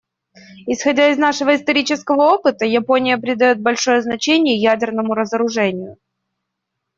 Исходя из нашего исторического опыта, Япония придает большое значение ядерному разоружению.